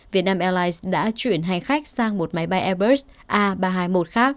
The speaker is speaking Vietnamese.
vietnam airlines đã chuyển hành khách sang một máy bay airbus a ba trăm hai mươi một khác